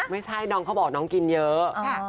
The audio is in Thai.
ไม่ใช่น้องเขาบอกน้องกินเยอะ